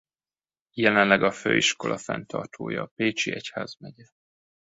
Jelenleg a főiskola fenntartója a Pécsi Egyházmegye.